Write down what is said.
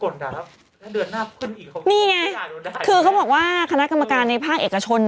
นี่ไงคือเขาบอกว่าคณะกรรมการในภาคเอกชน